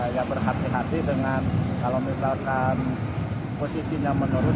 ya berhati hati dengan kalau misalkan posisinya menurun